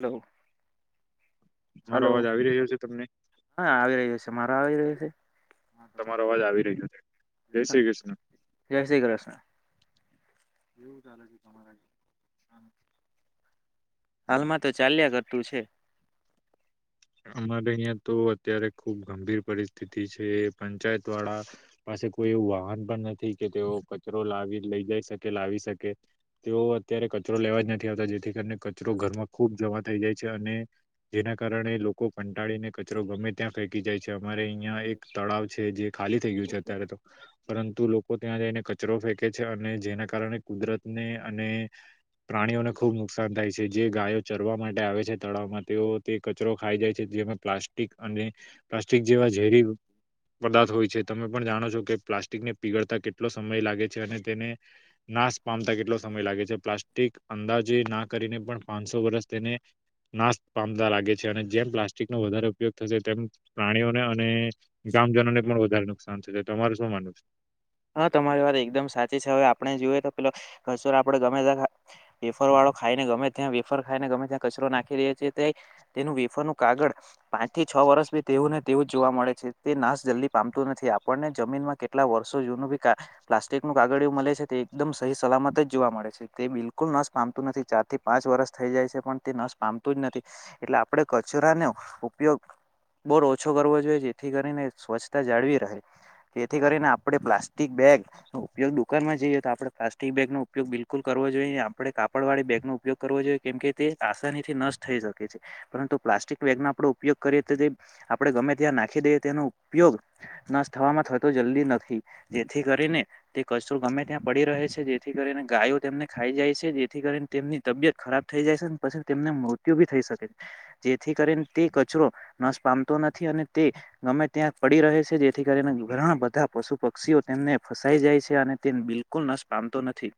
હ હલો હા આવી રહ્યો્યો છે મારે બાવ આવી રહ્યો છે જય શ્રી કૃષ્ણ એવું ચાલે છ તમારા હાલમાં તો ચાલ્યા કરતું છે અમારે અહીંયા તો અત્યારે ખુબ ગંભીર પરિસ્થિતિ છે, પંચાયત વાળા પાસે કોઈ એવું વાહન પણ નથી કે તેઓ કચરો લાવી લઈ જઈ શકે લાવી શકે તેઓ અત્યારે કચરો લેવા જ નથી આવતા જેથી કારને કચરો ઘરમાં ખૂબ જમા થઈ જાય છે અને જેના કારણે લોકો કંટાળીને કચરો ગમે ત્યાં ફેંકી જાય છે, અમારે અહિયાં એક તળાવ છે જે ખાલી થઈ ગયું છે અત્યારે તો પરંતુ લોકો ત્યાં જઈને કચરો ફેકે છે, અને જેના કારણે કુદરતને અને પ્રાણીઓને ખુબ નુકસાન થાય છે જે ગાયો ચરવા માટે આવે છે તળાવમાં તેઓ તે કચરો ખાઈ જાય છે જે પ્લાસ્ટિક અને પ્લાસ્ટિક જેવા ઝેરી પદાર્થ હોય છે તમે પણ જાણો છો કે પ્લાસ્ટિકને પીગળતા કેટલો સમય લાગે છે અને તેને નાશ પામતા કેટલો સમય લાગે છે પ્લાસ્ટિક અંદાજે ના કરીને પણ પાંચસો વરષ તેને નાશ પામતા લાગે છે અને જેમ પ્લાસ્ટિકનો વધારે ઉપયોગ થશે તેમ પ્રાણીઓને અને ગામજનોને પણ વધારે નુકસાન થશે તમાર શું માનુંવ છે હા, તમારી વાત એકદમ સાચી છે હવે આપણે જોઈએ તો પેલો કચરો આપડે ગમે તેમ હેફર વાળ ખાઈને ગમે ત્યાં વેફર ખાઈને ગમે ત્યાં કચરો નાખી રહયા છે તે તેનું વેફર નું કાગળ પાંચ થી છ વર્ષ ભી તેવું ને તેવું જોવા મળે છે તે નાશ જલ્દી પામતું નથી આપણને જમીનમાં કેટલા વર્ષ સો યો પ્લાસ્ટિક નું કાગળું મળે છે તે એકદમ સહી સલામત જ જોવા મળે છે તે બિલકુલ નશ પામ તેમાંથી ચાર થી પાંચ વરષ થઈ જાય છે પણ તે નાસ પામતું જ નથી એટલે આપણે કચરાનો ઉપયો બહુ ઓછો કરવો જોઈએ જેથી કરીને સ્વચ્છતા જાળવી રહે જેથી કરીને આપણે પ્લાસ્ટિક બેગ ઉપયોગ ઉપરમાં જઈએ તો આપણે પ્લાસ્ટિક બેગનો ઉપયોગ બિલકુલ કરવો જોઈએ આપણે કાપડવાળી બેગનો ઉપયોગ કરવો જોઈએ કેમ કે તે આસાનીથી નષ્ટ થઈ જતું છે, પરંતુ પ્લાસ્ટિક બેગનો આપડે ઉપયોગ કરીએ તો જે આપણે ગમે ત્યાં નાખ નાખી દે તેનો ઉપયોગ નાશ થવામાં થતો જલ્દી નથી જેથી કરીને તે કચરો ગમે ત્યાં પડી રહે છે જેથી કરીને ગાયો તેમને ખાઈ જાય છે જેથી તેમની તબિયત ખરાબ થઈ જાય છે પછી તેમને મૃત્યુ ભી થઈ શકે છે જેથી કરીને તે કચરો તો નાશ પામતો નથી અને તે ગમે ત્યાં પડી રહે છે જેથી કરીને ઘણા બધા પશુ પક્ષીઓ તેમને ફસાઈ જાય છે અને તે બિલકુલ નાશ પામતો નથી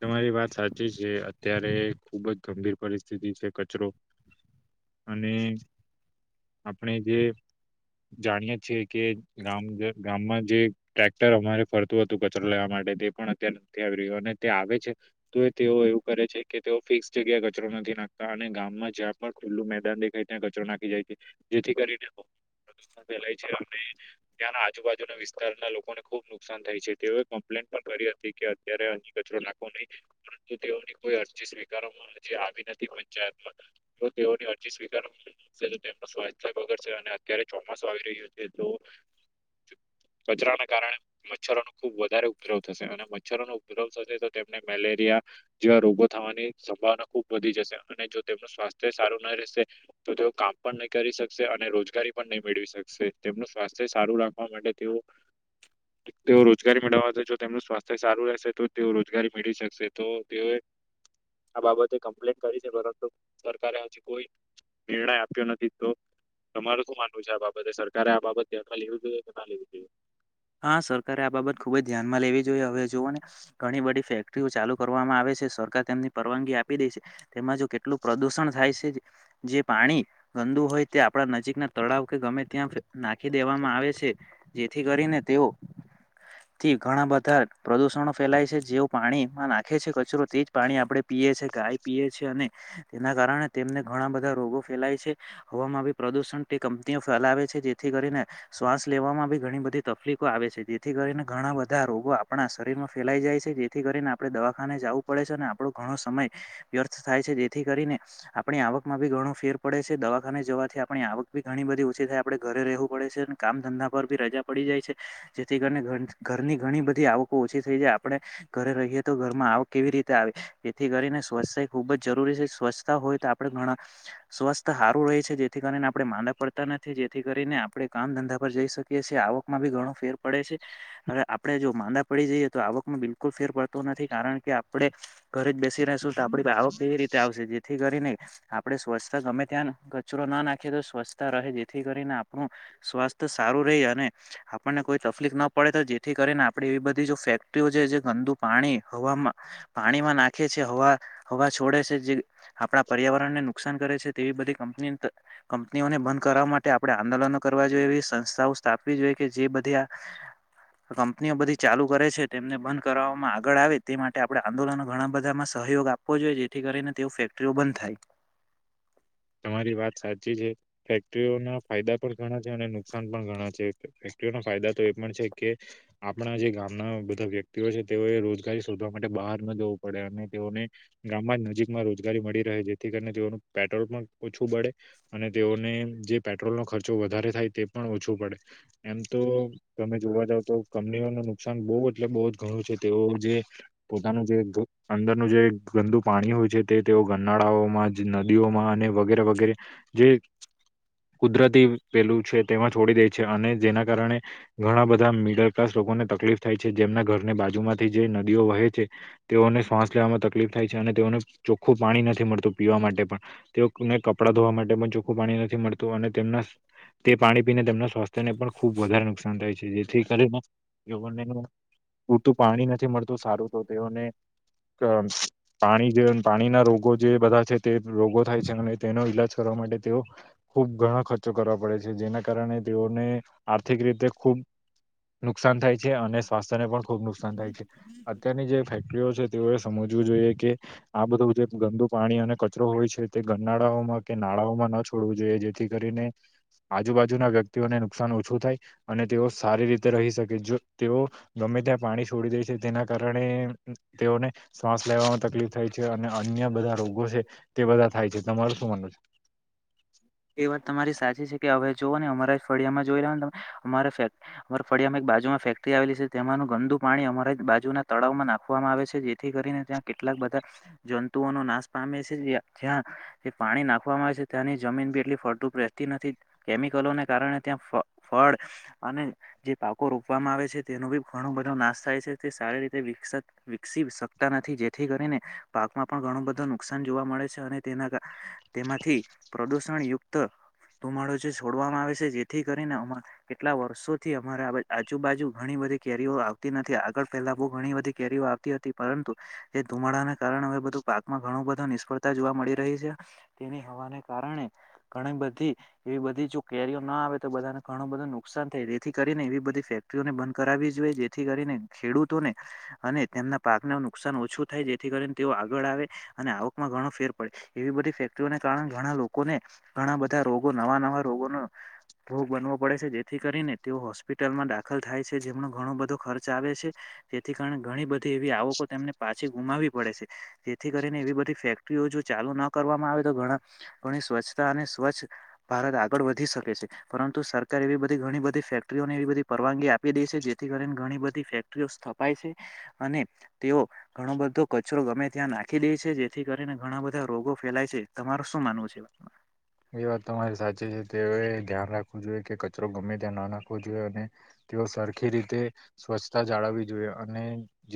તમારી વાત સાચી છે અત્યારે ખુબ જ ગંભીર પરિસ્થિતિ છે કચરો અને આપણે જે જાણીયે છીએ કે ગામ ગામમાં જે ટ્રેક્ટર અમારે ફરતું હતું કચરો લેવાવામાં માટે તે પણ અત્યારે નથી આવી રહ્યું અને તે આવે છે તો તેઓ એવું કરે છે કે તેઓ ફિક્સ જગ્યા કચરો નથી નાખતા અને ગામમાં જ્યાં પણ ખુલ્લું મેદાન દેખાય ત્યાં કચરો નાખી જાય છે જેથી કરીને ફેલાય છે અને ત્યાંના આજુબાજુના વિસ્તારના લોકોને ખુબ નુકસાન થાય છે તેઓએ કમ્પ્લેન પણ કરી હતી કે અત્યારે અહી કચરો નાખવો નહી પરંતુ તેઓની કોઈ અરજી સ્વીકારવામાં જે આવી નથી પંચાયતમાં તો તેઓની અરજી સ્વીકારશે, તેમનું સ્વાસ્થ્ય બગડશે અને ક્યારે ચોમાસું આવી રહ્યું છે તો, કચરાના કારણે મચ્છરો નો ખુબ વધારે ઉપદ્રવ થશે અને મચ્છરોનો ઉપદ્રવ તો તેમને મેલેરિયા જેવા રોગો થવાની સંભાવના ખુબ વધી જશે અને જો તેમનું સ્વાસ્થ્ય સારું ના રહેશે તો તેઓ કામ પણ નહી કરી શકશે અને રોજગારી પણ નહી મેળવી શકશે તેમનું સ્વાસ્થ્ય સારું રાખવા માટે તેવું તેઓ રોજગારી મેળવવા છે જો તેમનું સ્વાસ્થ્ય સારું રહેશે તો તેઓ રોજગારી મેળવી શકશે તો તેઓએ આ બાબતે કમ્પ્લેન કરી છે પરંતુ સરકારે હજી કોઈ નિર્ણય આપ્યો નથી તો તમારે શું માનવું છે આ બાબતે સરકારે આ બાબત ધ્યાનમાં લેવું જોઈએ કે ના લેવું જોઈએ? સરકારે આ બાબત ખૂબ જ ધ્યાનમાં લ જોયે હવે જોઓ ને ઘણી બધી ફેક્ટરીઓ ચાલુ કરવામાં આવે છે સરકાર તેમની પરવાનગી આપી દે છે તેમાં જો કેટલું પ્રદુષણ થાય છે જે પાણી ગંદુ હોય તે આ આપડા નજીકના તળાવ કે ગમે ત્યાં નાખી દેવામાં આવે છે જેથી કરીને તેઓ થી ઘણા બધા પ્રદુષણો ફેલાય છે જેવો પાણીમાં નાખે છે કચરો તે જ પાણી આપણે પી પીએ છે ગાય પીએ છે અને તેના કારણે તેમને ઘણા બધા રોગો ફેલાય છે હવામાં બી પ્રદુષણ તે કંપનીઓ ફેલાવે છે જેથી કરીને શ્વાસ લેવામાં બી ઘણી બધી તકલીફો આવે છે જેથી કરીને ઘણા બધા રોગો આપણા શરીરમાં ફેલાઈ જાય છે જેથી કરીને આપણે દવાખાને જાવું પડે છે અને આપણું ઘણું સમય વ્યર્થ થાય છે જેથી કરીને આપણી આવકમાં બી ઘણો ફેર પડે છે દવાખાને જવાથી આ આપની આવક બી ઘણી બધી ઓછી થાય આપડે ઘરે રહેવું પડે છે કામ ધંધા પર ભી રજા પડી જાય છે જેથી કરીને ઘરની ઘણી બધી આવકો ઓછી થઈ છે આપડણે ઘરે રહીએ તો ઘર માં આવક કેવી રીતે આવે એથી કરીને સ્વચ્છ ખૂબ જ જરૂરી છે સ્વચ્છતા હોય તો આપણે ઘણા સ્વસ્થ હારું રહે છે થી કરીને આપણે માંદા પડતા નથી જેથી કરીને આપણે કામ ધંધા પર જઈ શકીએ છીએ આવકમા બી ઘણો ફેર પડે છે હવે આપડે જો માંદા પડી જઈએ તો આવકમાં બિલકુલ ફેર પડતો નથી કારણ કે આપડે ઘરે જ બેસી રશું તો આપ આવક કેવી રી આવશે જેથી કરીને આપણે સ્વચ્છ ગમે ત્યા કચરો ના નાખે તો સ્વચ્છતા રહે જેથી કરીને આપણું સ્વાસ્થ્ય સારું રહે અને આપણને કોઈ તફલીફ ન પડે તો જેથી કરીને આપણે એવી બધી ફેક્ટરીઓ છે જે ગંદુ પાણી હવામાં પાણીમાં નાખે છે હવા હવા છોડે છે જે આપણા પર્યાવરણને નુકસાન કરે છે તેવી બધી કંપની ત ક કંપની ને બંધ કરવા માટે આપણે આંદોલનો કરવા જોઈએ એવી સંસ્થાઓ સ્થાપવી જોઈએ કે જે બધી કંપનીઓ બધી ચાલુ કરે છે તેમને બંધ કરવામાં આગળ આવે તે માટે આપડે આંદોલન ઘણા બધામાં સ સહયોગ આપવો જોઈએ જેથી કરીને તેઓ ફેક્ટરીઓ બંધ થાય તમારી વાત સાચી છે ફેક્ટરીઓ ના ફાયદા પણ ઘણા છે અને નુકસાન પણ ઘણા છે ફાયદા તો એ પણ છે કે આપણા જે ગામના બધા વ્યક્તિઓ છે તેઓએ રોજગારી શોધવા માટે બહાર ન જવું પડે અને તેઓને ગામમાં જ નજીકમાં રોજગારી મળી રહે જેથી કરીને તેઓનું પેટ્રોલ પણ ઓછું બડે અને તેઓને જે પેટ્રોલનો ખર્ચો વધારે થાય તે પણ ઓછું પડે એમ તો તમે જોવા જાવ તો કંપનીઓ ન નુકસાન બોહ એટલે બોહ જ ઘણું છે તેઓ જે પોતા અંદર જે અંદરનું જે ગંદુ પાણી હોય છે તે તેઓ ગનાળાઓમાંજ નદીઓમાં અને વ વગેરે વગેરે જે કુદરતી પેલું છે તેમાં છોડી દે અને જેના કારણે ઘણા બધા મિડલ ક્લાસ લોકોને તકલીફ થાય છે જેમના ઘરને બાજુ માંથી જે નદીઓ વહે છે તેઓને શ્વાસ લેવામાં તકલીફ થાય છે અને તેઓને ચોખ્ખું પાણી નથી મળતું પીવા માટે પણ તેઓને કપડાં ધોવા માટે પણ ચોખ્ખું પાણી નથી મળતું અને તેમના તે પાણી પીને તેમના સ્વાસ્થ્યને પણ ખુબ વધારે નુકસાન થાય છે જેથી કરીને પૂરતું પાણી નથી મળતું સારું તો તેઓને ક પાણી જે પાણી ના રોગો જે બધા છે તે રોગો થાય છે તેનો ઈલાજ કરવા માટે તેઓ ખુબ ઘણા ખર્ચો કરવા પડે છે જેના કારણે તેઓને આથિક રીતે ખૂબ નુકસાન થાય છે અને સ્વાસ્થ્યને પણ ખુબ નુકસાન થાય છે અત્યારની જે ફેક્ટરીઓ છે. તેઓએ સમજવું જોઈએ કે આ બધું જે ગંદુ પાણી અને કચરો હોય છે. તે ગનાળાઓમાં કે નાળાઓમાં ન છોડવું જોઈએ જેથી કરીને આજુબાજુના વ્યક્તિઓને નુકસાન ઓછું થાય અને તેઓ સારી રીતે રહી શકે તેઓ. અમે ત્યાં પાણી છોડી દે છે તેના કારણે તેઓને શ્વાસ લેવામાં તકલીફ થાય છે અને અન્ય બધા રોગો છે તે બધા એ વાત તમારી સાચી છે. હવે જો ને અમારા ફળિયામાં જોઈ રહ ને અમા અમા ફળિયામાં એક બાજુમાં ફેક્ટરી આવેલી છે તેમાંનું ઠન્ડુ પાણી અમારા બાજુ ના તળાવમાં નાખવામાં આવે છે જેથી કરીને ત્યાં કેટલાક બધા જંતુઓનું પામે છે જ્યાં પાણી નાખવામાં આવે છે ત્યાંની જમીન બી એટલી ફળતુ રહેતી નથી. કેમિકલોને કારણે ત્યાં ફળ અને જે પાકો રોપવામાં આવે છે તેનું બી ખ બધો નાશ થાય છે તે સારી રીતે વ વિકસી શકતા નથી જેથી કરીને પાકમાં પણ ઘણું બધ નુકસાન જોવા મળે છે અને તેના તેમાંથી પ્રદુષણયુક્ત ધુમાડો જે છોડવામાં આવે છે જેથી કરીને અ કેટલા વર્ષોથી અમારે આજુબાજુ ઘણી બધી કેરીઓ આવતી નથી આગળ પહેલા બહુ ઘણી બધી કેરીઓ આવતી હતી પરંતુ એ ધુમાડાને કારણે હવે બધું પાકમાં ઘણું બધો નિષ્ફળતા જોવા મળી રહી છે તેની હવાને કારણે ઘણી બધી એવી બધી જો કેરીઓ ના આવે તો બધાને ઘણું બધું નુકસાન થાય જેથી કરીને એવી બધી ફેક્ટરીઓને બંધ કરાવી જોઈએ. જેથી કરીને ખેડૂતોને અને તેમના પાકને નુકસાન ઓછું થાય જેથી કરીને તેઓ આગળ આવે. આવકમાં ઘણો ફેર પડે એવી બધી ફેક્ટરીઓને કારણે ઘણા લોકોને ઘણા બધા રોગ નવા નવા રોગો ન ભોગ બનવો પડે છે જેથી કરીને તેઓ હોસ્પિટલમાં દાખલ થાય છે જેમનો ઘણો બધો ખર્ચ આવે છે. જેથી કારણે ઘણી બધી એવી આવકો તેમને પાછી ગુમાવી પડે છે જેથી કરીને એવી બધી ફેક્ટરીઓ જો ચાલુ ના કરવામાં આવે તો ઘણા ઘણી સ્વચ્છતા અને સ્વચ્છ ભારત આગળ વધી શકે છે પરંતુ સરકાર એવી બધી ઘણી બધી ફેક્ટરીઓને એવી બધી પરવાનગી આપી દે છે જેથી કરીને ઘણી બધી ફેક્ટરીઓ સ્થપાય છે અને તેઓ ઘણો બધો કચરો ગમે ત્યાં નાખી દે છે જેથી કરીને ઘણા બધા રોગો ફેલાય છે. તમાર શું માનવું છે વાતમાં? તે ધ્યાન રાખવું જોઈએ કે કચરો ગમે ત્યાં ના નાખવો જોઈએ અને તેઓ સરખી રીતે સ્વચ્છતા જાળવવી જોઈએ અને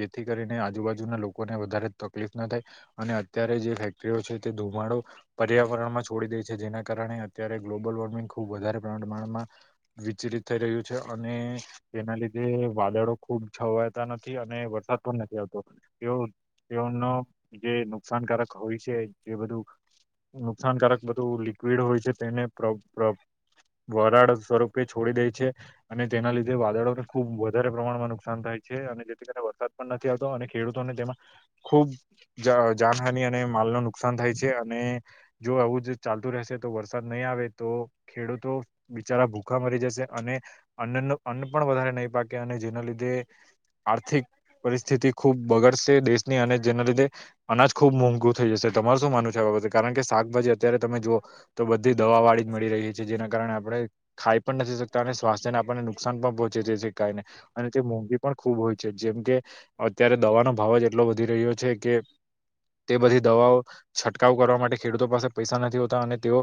જેથી કરીને આજુબાજુના લોકોને વધ તકલીફ ના થાય અને અત્યારે જે ફેક્ટરીઓ છે તે ધુમાડો પર્યાવરણમાં છોડી દે છે જેના કારણે અત્યારે ગ્લોબલ વોર્મિંગ ખૂબ વધારે પ્રમાણમાં વિચરી થઈ રહ્યું છે અને તેના લીધે વાદળો ખુબ છવાતા નથી અને વરસાદ પણ નથી આવતો એ જે નુકસાનકારક હોય છે જે બધું નુકસાનકારક બધું લિક્વિડ હોય છે તેને વરાળ સ્વરૂપે છોડી દે છે અને તેના લીધે તે વાદળોને ખુબ વધારે પ્રમાણમાં નુકસાન થાય છે અને જેથી કરીને વરસાદ પણ નથી આવતો અને ખેડૂતોને તેમાં ખુબ જાનહાની અને માલ ન નુકસાન થાય છે અને જો આવું જ ચાલતું રહેશે તો વરસાદ નહીં આવે તો ખેડૂતો બિચારા ભૂખા મરી જશે. અને અન્ન અન્ન પણ વધારે નહીં પાકે અને જેના લીધે આર્થિક પરિસ્થિતિ ખૂબ બગડશે દેશની અને જેના લીધે અનાજ ખુબ મોંઘુ થઈ જશે. તમાર શું માનું છે આ કારણ કે શાકભાજી અત્યારે તમે જોુઓ તો બધી દવા વાળી જ મળી રહી છે જેના કારણે આપણે ખાઈ પણ નથી અને સ્વાસ્થ્યને આપણને નુકસાન પણ પહોંચી શાય અને તે મોંઘી પણ ખૂબ હોય છે જેમ કે અત્યારે દવાનો ભાવ જ એટલો વધી રહ્યો છે કે તે બધી દવાઓ છંટકાવ કરવા માટે ખેડૂતો પાસે પૈસા નથી હોતા અને તેઓ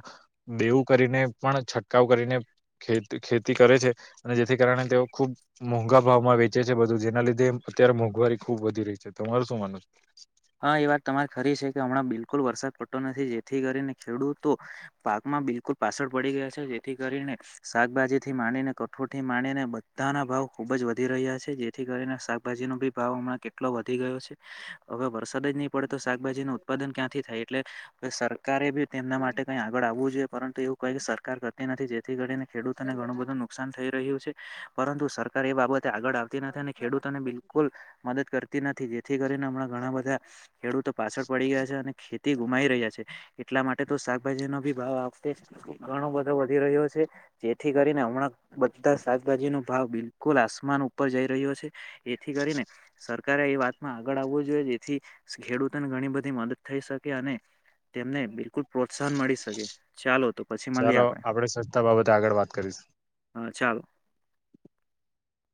બેેવું કરીને પણ છંટકાવ કરીને ખે ખેતી કરે છે અને જેથી કારણે તેઓ ખૂબ મોંઘા ભાવમાં વેચે છે બધું જેના લીધે અત્યારે મોંઘવારી ખુબ વધી રહી છે તમારું શું માનું? હા એ વાત તમારે ખરી છે કે હમણાં બિલકુલ વરષક તો નથી જેથી કરીને ખેડૂતો પાકમાં બિલકુલ પાછળ પડી ગયા છે જેથી કરીને શાકભાજી થી માણીને કઠોળ થી માણીને બધાના ભાવ ખુબ જ વધી રહ્યા છે જેથી કરીને શાકભાજી ભાવ હમ કેટલો વધી ગયો છે હવે વરસાદ જ નહીં પડે તો શાકભાજી નું ઉત્પાદન ક્યાંથી થાય એટલે સરકારે બી તેમના માટે કઈ આગળ આવ પરંતુ એવું ક કે સરકાર કરતી નથી જેથી કરીને ખેડૂતોને ઘણું બધું નુકસાન થઇ રહ્યું છે પરંતુ સરકાર એ બાબત આગળ આવતી નથી અને ખેડૂતોને બિલકુલ મદદ કરતી નથી જેથી કરીને હમણાં ઘણા બધા ખેડૂતો પાછળ પડી ગયા છે અને ખેતી ગુમાઈ રહ્યા છે એટલા માટે તો શાકભાજી ન ભી ભાવ ઘણો બધો વધી રહ્યો છે જેથી કરીને હમણાં બધા શાકભાજી નો ભાવ બિલ ુલ આસમાન ઉપર જઈ રહ્યો છે એથી કરીને સરકારે એ વાતમાં આગળ આવવું જોઈએ જેથી ખેડૂતોને ઘણી બધી મદદ થઈ શકે અને તેમને બિલકુલ પ્રોત્સાહન મળી શકે ચાલો આપડે સસ્તા બાબતે આગળ વાત કરીશ